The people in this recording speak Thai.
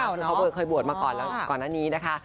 เพราะว่าเคยบวชมาก่อนก่อนอันนี้นะคะ